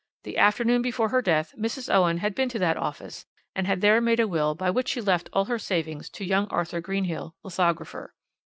The afternoon before her death Mrs. Owen had been to that office and had there made a will by which she left all her savings to young Arthur Greenhill, lithographer.